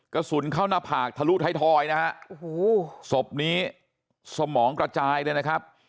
กระสุนเข้าหน้าผากทะลุท้ายทอยนะฮะโอ้โหศพนี้สมองกระจายเลยนะครับ